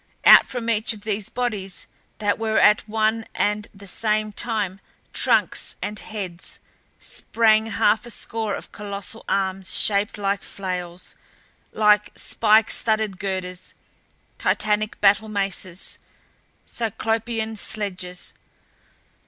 Out from each of these bodies that were at one and the same time trunks and heads, sprang half a score of colossal arms shaped like flails; like spike studded girders, Titanic battle maces, Cyclopean sledges.